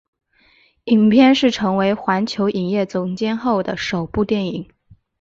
影片是成为环球影业总监后的首部电影。